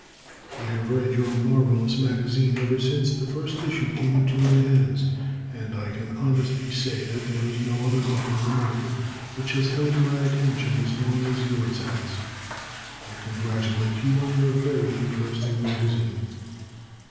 I have read your marvelous magazine ever since the first issue came into my hands, and I can honestly say that there is no other book on the market which has held my attention as long as yours has. I congratulate you on your very interesting magazine.